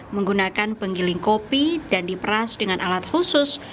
menggunakan penggiling kopi dan diperas dengan alat khusus